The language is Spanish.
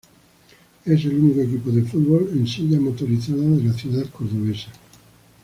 Es el único equipo de fútbol en silla motorizada de la ciudad cordobesa.